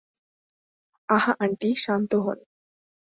আহা আন্টি, শান্ত হোন।